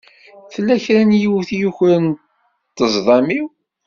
Tella kra n yiwet i yukren ṭṭezḍam-iw.